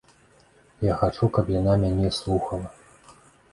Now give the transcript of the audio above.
Я хачу, каб яна мяне слухала.